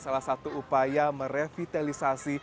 salah satu upaya merevitalisasi